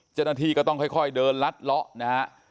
เจ้าหน้าที่ก็ต้องค่อยเดินลัดเลาะนะฮะ